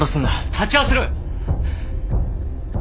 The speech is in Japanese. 立ち会わせろよ。